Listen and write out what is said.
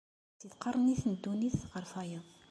Si tqernit n ddunit ɣer tayeḍ.